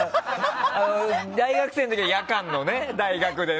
大学生の時は夜間の大学でね。